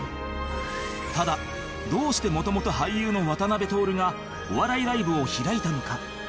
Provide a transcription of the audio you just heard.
ただどうして元々俳優の渡辺徹がお笑いライブを開いたのか？